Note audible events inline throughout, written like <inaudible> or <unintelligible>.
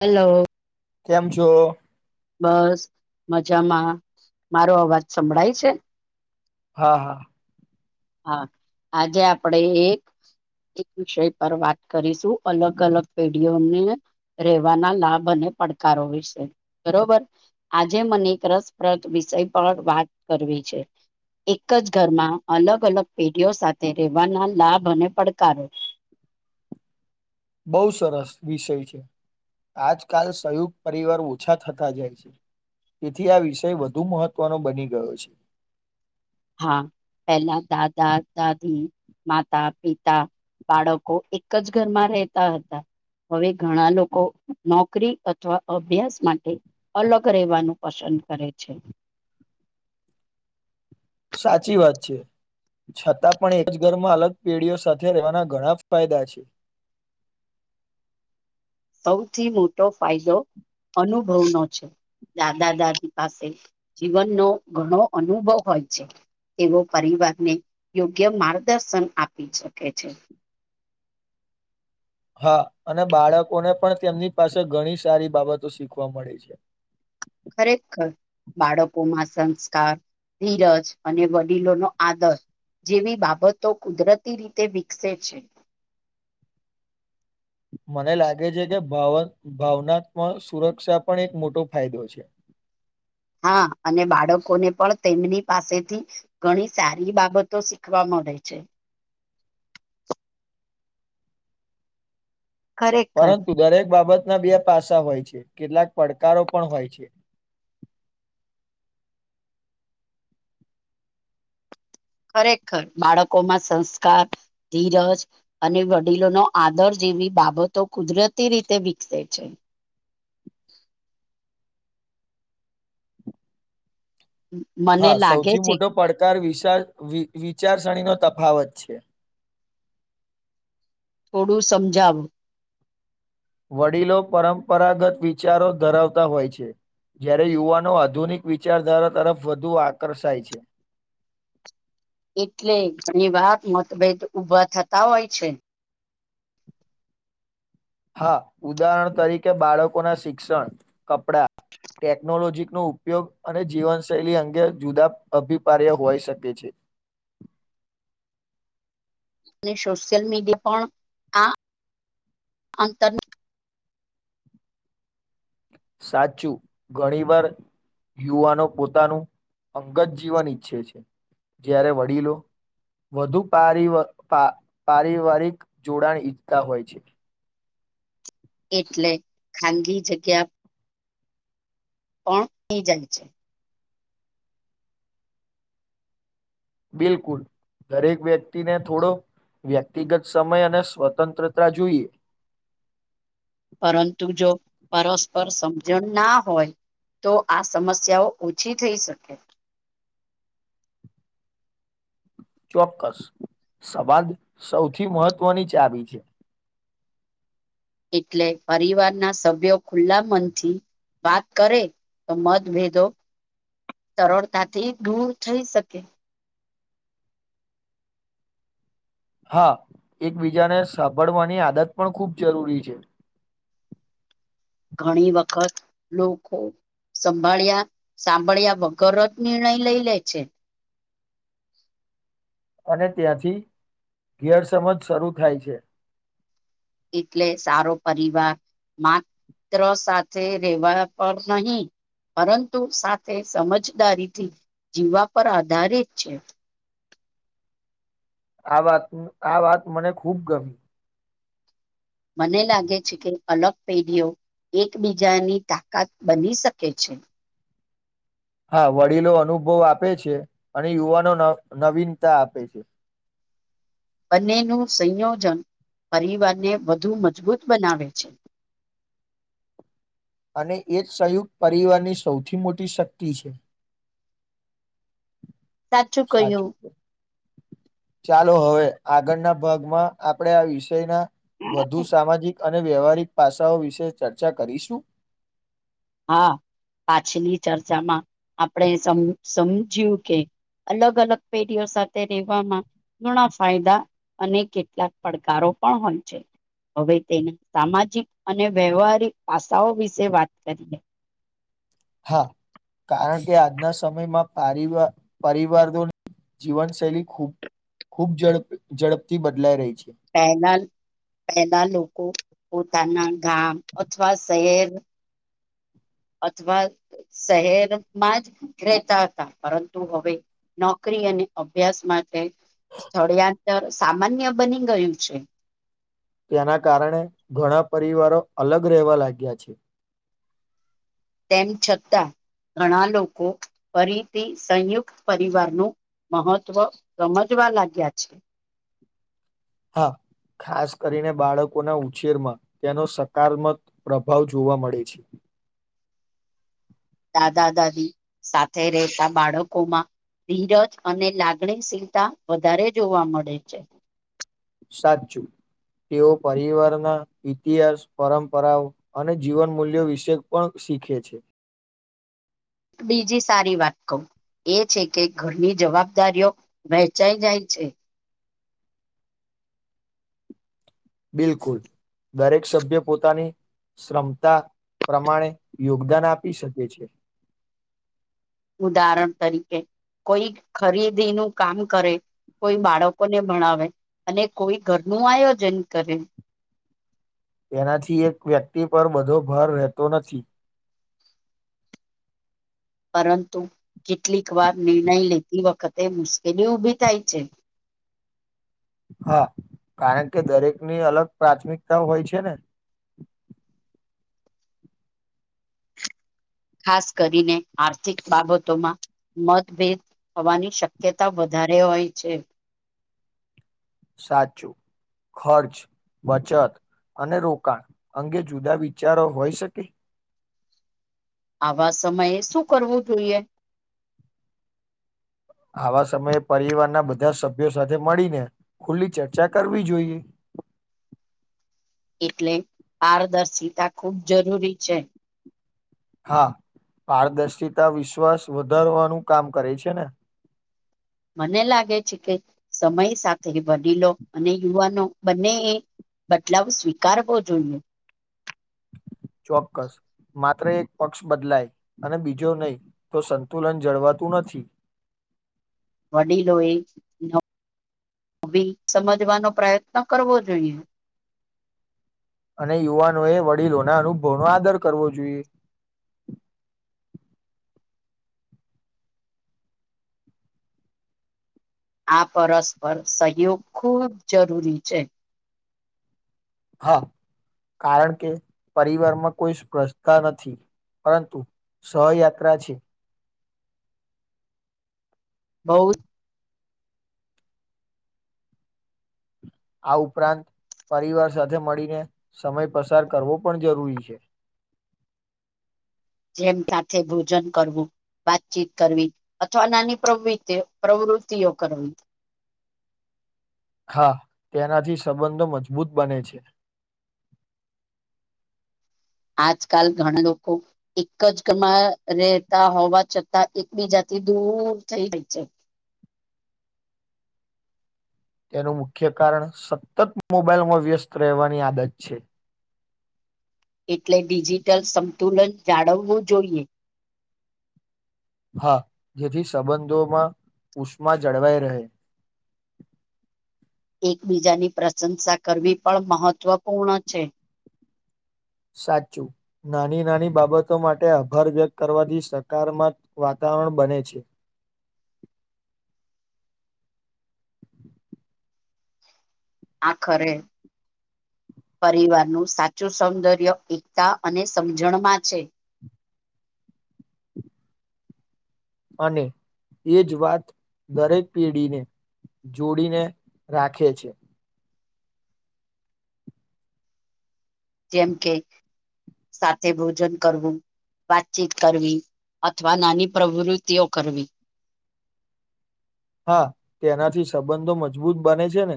Hello કેમ છો? બસ મજામાં મારો અવાજ સંભળાય છે? હા હા હા આજે આપડે એક એક વિષય પર વાત કરીશું અલગ અલગ પેઢીઓને રહેેવાના લાભ અન પડકારો વિશે બરોબર, આજે મને એક રસપ્રદ વિષય પર વાત કરવી છે. એક જ ઘરમાં અલગ અલગ પેઢીઓ સાથે રહેવાના લાભ અને પડકારો. <inaudible> બહુ સરસ વિષય છે. આજકાલ સંયુક્ત પરિવાર ઓછા થતા જાય છે. તેથી આ વિષય વધુ મહત્વનો બની ગયો છે. હા પેલા દાદા-દાદી, માતા-પિતા બાળકો એક જ ઘરમાં રહેતા હતા. હવે ઘણા લોકો નોકરી અથવા અભ્યાસ માટે અલગ રહેવાનું પસંદ કરે છે. સાચી વાત છે. છતાં પણ એક જ ઘરમાં અલગ પેઢીઓ સાથે રહેવાના ઘણા ફાયદા છે. સૌથી મોટો ફાયદો અનુભવનો છે. દાદા-દાદી પાસે જીવનનો ઘણો અનુભવ હોય છે. તેઓ પરિવારને યોગ્ય માર્ગદર્શન આપી છકે છે. હા અને બાળકોને પણ તેમની પાસે ઘણી સારી બાબતો શીખવા મળી છે. ખરેખર બાળકોમાં સંસ્કાર ધીરજ અને વડીલો નો આદર જેવી બાબતો કુદરતી રીતે વિકસે છે. મને લાગે છે કે ભાવ-ભાવનત્મક સુરક્ષા પણ એક મોટો ફાયદો છે. <inaudible> હા અને બાળકોને પણ તેમની પાસેથી ઘણી સારી બાબતો શીખવા મ ળે છે. ખરેખર પરંતુ દરેક બાબત ના બે પાસ હોય છે કેટલાક પડકારો પણ હોય છે. ખરેખર બાળકોમાં સંસ્કાર, ધીરજ અને વડીલો નો આદર જે એવી બાબતો કુદરતી રીતે વિકસે છે. મને હા લાગે સૌથી છે મોટો પડકાર વિશાર-વિચારસણીનો તફાવત છે. થોડું સમજાવ વડીલો પરંપરાગત વિચારો ધરાવતા હોય છે. જયારે યુવાનો આધુનિક વિચારધારા તરફ વધુ આકર્ષાય છે. એટલે ઘણી વાર મતભેદ ઊભા થતા હોય છે. હા ઉદાહરણ તરીકે બાળકો ના શિક્ષણ, કપડા ટેકનોલોજીનો ઉપયોગ અને જીવનશૈલી અંગે જુદા અભિપાર્ય હોઈ શકે છે. <inaudible> અને સોશિયલ મીડિયા પણ આ <inaudible> અંતર સાચું ઘણી વાર યુવાનો પોતાનું અંગત જીવન ઈચ્છે છે જ્યારે વડીલો વધુ પારિવ-પા-પારિવારિક જોડાણ ઈચ્છતા હોય છે. એટલે ખાનગી જગ્યા પણ <inaudible> <unintelligible> છે. બિલકુલ દરેક વ્યક્તિને થોડો વ્યક્તિગત સમય અને સ્વતંત્રતા જોઈએ પરંતુ જો પરસ્પર સમજણ ના હોય તો આ સમસ્યાઓ ઓછી થઈ શકે ચોક્કસ સવાદ સૌથી મહત્વની ચાબી છે. એટલે પરિવારના સભ્યો ખુલ્લા મનથી વાત કરે તો મતભેદો સરળતાથી દૂર થઈ શકે હા એકબીજાને સાંભળવાની આદત પણ ખૂબ જરૂરી છે. ઘણી વખત લોકો સંભાળ્યા સાંભળ્યા વગર જ નિર્ણય લઈ લે છે. અને ત્યાંથી ગેરસમજ શરૂ થાય છે. એટલે સારો પરિવાર મા મિત સાથે રહેેવા પર નહી. પરંતુ સાથે સમજદારીથી જીવવા પર આધારિત છે. આ વાત આ વાત મને ખુબ ગમી. મને લાગે છે કે અલગ પેઢીઓ એકબીજાની તાકાત બની શકે છે. હા વડીલો અનુભવ આપે છે અને યુવાનો નવીનતા આપે છે. બંનેનું સંયોજન પરિવારને વધુ મજબૂત બનાવે છે. અને એ જ સંયુક્ત પરિવારની સૌથી મોટી શક્તિ છે. સાચું ક્યું ચાલો હવે આગળના ભાગમાં આપણેે આ વિષયના વધુ સામાજિક અને વ્યવહારિક પાસાઓ વિશે ચર્ચા કરીશું. હા પાછલી ચર્ચામાં આપણે સમ સમજ્યું કે અલગ અલગ પેઢીઓ સાથે રહેવામાં ઘૂણા ફાયદા અને કેટલાક પડકારો હવે તેની સામાજિક અને વ્યવહારિક પાસાઓ વિશે વાત અ <unintelligible> હા કારણ કે આજના સમયમાં પવાર પરિવાર જીવનશૈલી ખૂબ ખૂબડપ ઝડપથી બદલાઈ રહી છે. પહેલા પહેલા લોકો પોતાના ગામ અથવા શહેર અથવા શહેરમાં જ રહેતા હતા પરંતુ હવે નોકરી અને અભ્યાસ માટે. સ્થળયાંતર સામાન્ય બની ગયું છે. તેના કારણે ઘણા પરિવારો અલગ રહેવા લાગ્યા છે. તેમ છતાં ઘણા લોકો ફરીથી સંયુક્ત પરિવારનું મહત્વ સમજવા લાગ્યા છે. હા. ખાસ કરીને બાળકોના ઉછેરમાં તેનો સકારાત્મક પ્રભાવ જોવા મળે છે. દાદા દાદી સાથે રહેતા બાળકોમાં ધીરજ અને લાગણીશીલતા વધારે જોવા મળે છે. સાચું. તેઓ પરિવારના ઇતિહાસ પરંપરાઓ અને જીવન મૂલ્યો વિશે પણ શીખે છે. બીજી સારી વાત કહું એ છે કે ઘરની જવાબદારીઓ વહેંચાઈ જાય છે. બિલકુલ દરેક સભ્ય પોતાની કમતા પ્રમાણે યોગદાન આપી શકે છે. ઉદાહરણ તરીકે કોઈ ખરીદીનુંું કામ કરે. કોઈ બાળકોને ભણાવે અને કોઈ ઘરનું આયોજન કરે. તેનાથી એક વ્યક્તિ પર બધો ભાર રહેતો નથી. પરંતુ કેટલીક વાર નિર્ણય લેતી વખતે મુશ્કેલી ઉઊભી થાય છે. <inaudible> હા કારણ કે દરેકની અલગ પ્રાથમિકતાઓ હોય છે ને. <inaudible> ખાસ કરીને આર્થિક બાબતોમાં મતભેદ થવાની શક્યતા વધારે હોય છે. સાચું ખર્ચ બચત. અને રોકાણ અંગે જુદા વિચારો હોય શકે. આવા સમયે શું કરવું જોઈએ. આવા સમયે પરિવારના બધા સભ્યો સાથે મળીને ખુલ્લી ચર્ચા કરવી જોઈએ. <inaudible> એટલે પારદર્શિતા ખૂબ જરૂરી છે હા પારદર્શિતા વિશ્વાસ વધારવાનું કામ કરે છે ને મને લાગે છે કે સમય સાથે વડીલો અને યુવાનો બંને એ બદલાવ સ્વીકારવો જોઈએ ચોક્કસ માત્ર એક પક્ષ બદલાય અને બીજો નહી તો સંતુલન જળવા તું નથી વડી લોએ ન અવે સમજવાનો પ્રયત્ન કરવો જોઈએ અને યુવાનોએ વડીલોના અનુભવનો આદર કરવો જોઈએ આ પરસ્પર સહયોગ ખૂબ જરૂરી છે હા કારણ કે પરિવારમાં કોઈ સ્પર્ષતા નથી પરંતુ સહયાત્રા છે બહુત આ ઉપરાંત પરિવાર સાથે મળીને સમય પસાર કરવો પણ જરૂરી છે <inaudible> જેમ સાથે ભોજન કરવું વાતચીત કરવી અથવા નાની પ્રવિતી પ્રવૃતિઓ કરવી <inaudible> હા તેનાથી સંબંધો મજબૂત બને છે આજકાલ ઘણા લોકો એક જ કમા રહેતા હોવા છતાં એકબીજા એ દૂર થઈ જાય છે તેનું મુખ્ય કારણ સતત મોબાઈલમાં વ્યસ્ત રહેવાની આદત છે એટલે ડિજિટલ સંતુલન જાળવવું જોઈએ હા જેથી સંબંધોમાં ઉષ્મા જળવાઈ રહે <inaudible> એકબીજાની પ્રશંસા કરવી પણ મહત્વપૂર્ણ છે સાચું નાની નાની બાબતો માટે આભાર વ્યક્ત કરવાથી સકારત્મક વાતાણ ણ બને છે <inaudible> આખરે પરિવારનું સાચું સૌંદર્ય એકતા અને સમજણમાં છે અને એ જ વાત દરેક પેઢીને જોડીને રાખે છે જેમ કે સાથે ભોજન કરવું વાતચીત કરવી અથવા નાની પ્રવૃતિઓ કરવી <inaudible> હા તેનાથી સંબંધો મજબૂત બને છે ને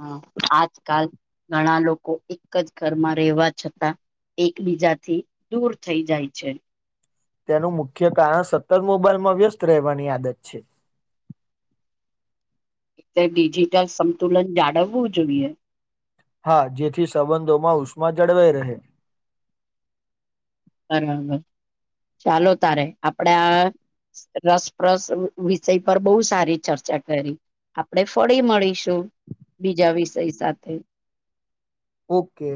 હા આજકાલ ઘણા લોકો એક જ ઘરમાં રહેવા છતા એકબીજાથી દૂર થઈ જાય છે તેનું મુખ્ય કારણ સતત મોબાઈલમાં વ્યસ્ત રહેવાની આદત છે એટલે ડિજિટલ સંતુલન જાળવવું જોઈએ હા જેથી સંબંધોમાં ઉષ્મા જળવાઈ રહે બરાબર ચાલો તારે આપડા રસપ્રસ વિષય પર બહુ સારી ચર્ચા કરી આપણે ફરી મળીશું બીજા વિષય સાથે ઓકે